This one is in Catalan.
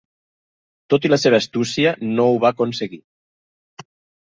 Tot i la seva astúcia, no ho va aconseguir.